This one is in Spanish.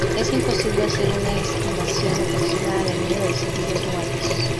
Es imposible hacer una estimación aproximada del número de civiles muertos.